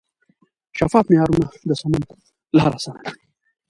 شفاف معیارونه د سمون لار اسانه کوي.